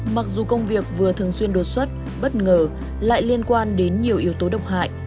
mặc dù công việc vừa thường xuyên đột xuất bất ngờ lại liên quan đến nhiều yếu tố độc hại